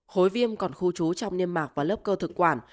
hối viêm còn khu trú trong niêm mạc và lớp cơ thực quản